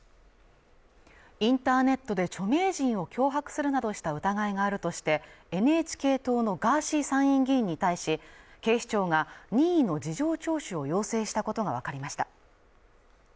インターネットで著名人を脅迫するなどした疑いがあるとしてＮＨＫ党のガーシー参院議員に対し警視庁が任意の事情聴取を要請したことが分かりました